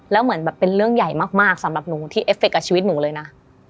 แล้วเหมือนแบบเป็นเรื่องใหญ่มากสำหรับหนูที่เอฟเคกับชีวิตหนูเลยนะ